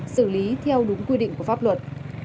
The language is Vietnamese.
xử lý theo đúng quy định của pháp luật